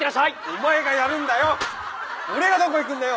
お前がやるんだよ。